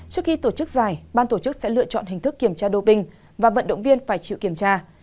trước khi tổ chức giải ban tổ chức sẽ lựa chọn hình thức kiểm tra đô binh và vận động viên phải chịu kiểm tra